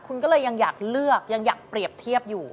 คุณก็เลยยังอยากเลือกยังอยากเปรียบเทียบอยู่